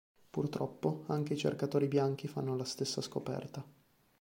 Purtroppo, anche i cercatori bianchi fanno la stessa scoperta...